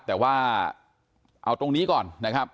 แต่ว่าเอาตรงนี้ก่อน